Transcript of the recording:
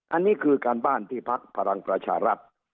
อันนี้คือการบ้านที่พักพลังประชารัฐ